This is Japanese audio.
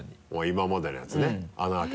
今までのやつね。